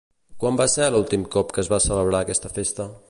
Quan va ser l'últim cop que es va celebrar aquesta festa?